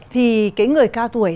thì cái người cao tuổi